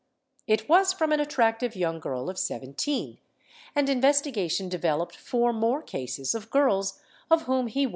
It was from an attractive young girl of 17, and investigation developed four more cases of girls of whom he was confessor.